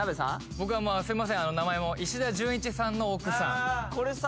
僕はすいません名前も石田純一さんの奥さんこれさ